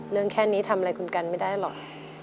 แค่นี้ทำอะไรคุณกันไม่ได้หรอก